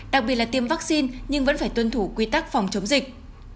đặc biệt là tiêm vaccine nhưng vẫn phải tuân thủ quy tắc phòng chống dịch